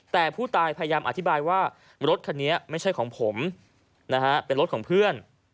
แต่ผู้ตายพยายามอธิบายว่ารถคันนี้ไม่ใช่ของผมนะฮะเป็นรถของเพื่อน